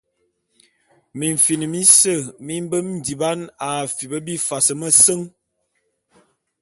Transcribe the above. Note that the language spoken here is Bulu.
Mimfin mise mi mbe ndiban a afip bifas meseñ.